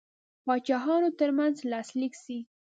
پاچاهانو ترمنځ لاسلیک سي.